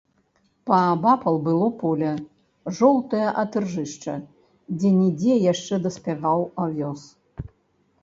Паабапал было поле, жоўтае ад іржышча, дзе-нідзе яшчэ даспяваў авёс.